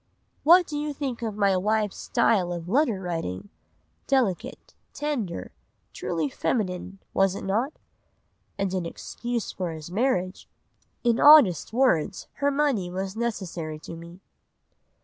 "'What do you think of my wife's style of letter writing?—delicate—tender—truly feminine—was it not?'" and in excuse for his marriage, "'In honest words her money was necessary to me.